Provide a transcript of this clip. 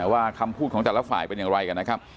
ว่าคำพูดของแต่ละฝ่ายเป็นอย่างไรกันนะครับ